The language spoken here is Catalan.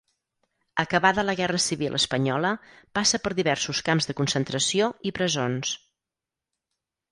Acabada la Guerra Civil espanyola passa per diversos camps de concentració i presons.